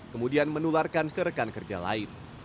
kemudian menularkan ke rekan kerja lain